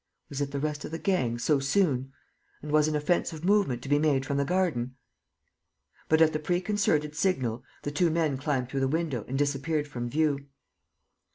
Was it the rest of the gang, so soon? And was an offensive movement to be made from the garden? But, at the preconcerted signal, the two men climbed through the window and disappeared from view.